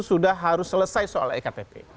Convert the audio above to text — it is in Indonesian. sudah harus selesai soal ektp